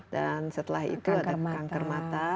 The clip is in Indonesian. dan setelah itu ada kanker mata